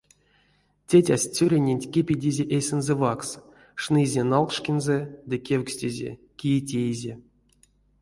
Тетясь цёрыненть кепедизе эсензэ ваксс, шнызе налкшкензэ ды кевкстизе, кие теизе.